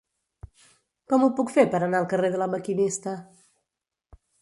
Com ho puc fer per anar al carrer de La Maquinista?